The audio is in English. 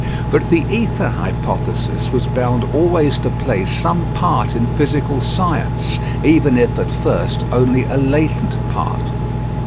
But the ether hypothesis was bound always to play some part in physical science, even if at first only a latent part.